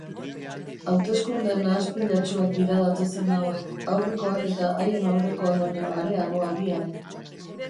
Hauteskunde nahaspilatsuak dira datozen hauek, aurrekoak eta haien aurrekoak baino areago agian.